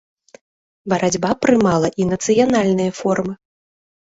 Барацьба прымала і нацыянальныя формы.